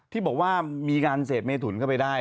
ที่บอกว่ามีการเสพเมถุนเข้าไปได้